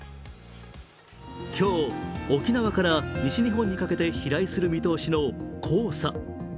今日、沖縄から西日本にかけて飛来する見通しの黄砂。